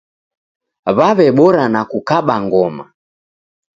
Waw'ebora na kukaba ngoma.